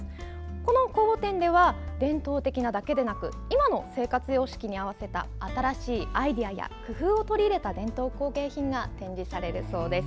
この公募展では伝統的なだけではなく今の生活様式に合わせた新しいアイデアや工夫を取り入れた伝統工芸品が展示されるそうです。